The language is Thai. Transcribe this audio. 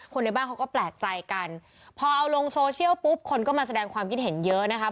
ในบ้านเขาก็แปลกใจกันพอเอาลงโซเชียลปุ๊บคนก็มาแสดงความคิดเห็นเยอะนะคะ